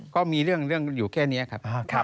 ก็มีเรื่องอยู่แค่นี้ครับ